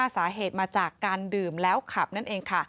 สาเหตุมาจากการดื่มแล้วขับนั่นเองค่ะ